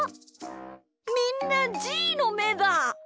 みんなじーのめだ！